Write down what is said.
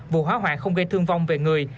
vụ hóa hoạ không gây thương vong về người